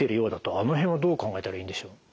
あの辺はどう考えたらいいんでしょう？